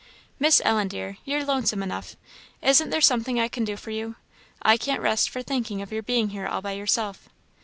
"Miss Ellen, dear, you're lonesome enough; isn't there something I can do for you? I can't rest for thinking of your being here all by yourself."